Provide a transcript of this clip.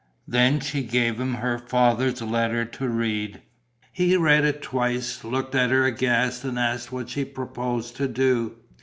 Then she gave him her father's letter to read. He read it twice, looked at her aghast and asked what she proposed to do.